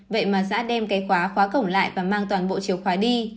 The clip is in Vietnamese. vậy mà giã đem cái khóa khóa cổng lại và mang toàn bộ chiều khóa đi